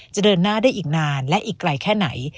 จะเดินหน้าได้อีกนานและอีกไกลแค่ไหน